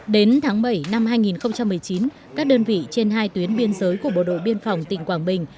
đến tháng bảy năm hai nghìn một mươi chín các đơn vị trên hai tuyến biên giới của bộ đội biên phòng tỉnh quảng bình